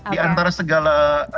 di antara segala